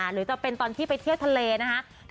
หรือจะเป็นตอนที่ไปเที่ยวทะเลนะคะ